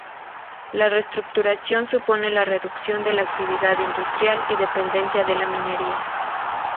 La restructuración supone la reducción de la actividad industrial y dependencia de la minería.